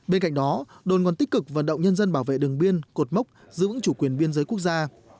bên cạnh đó đồn còn tích cực vận động nhân dân bảo vệ đường biên cột mốc giữ vững chủ quyền biên giới quốc gia